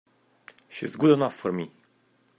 She's good enough for me!